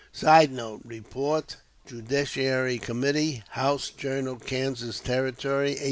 [Sidenote: Report Judiciary Com., "House Journal Kansas Territory," 1855.